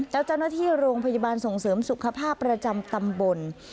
แล้วเจ้าหน้าที่โรงพยาบาลส่งเสริมสุขภาพประจำตำบล